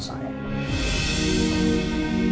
masalah gak akan pernah selesai